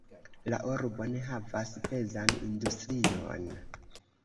La urbo ne havas pezan industrion.